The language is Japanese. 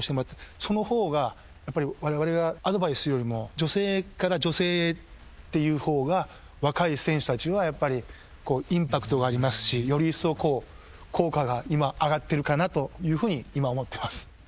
その方がやっぱりわれわれがアドバイスするよりも女性から女性へっていう方が若い選手たちはやっぱりインパクトがありますしよりいっそう効果が今上がってるかなというふうに今思ってます。